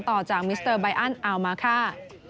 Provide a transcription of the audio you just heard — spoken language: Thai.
ต่อจากมิสเตอร์บายอ้านอาวมาค่า